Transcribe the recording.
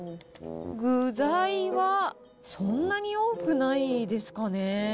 具材はそんなに多くないですかね。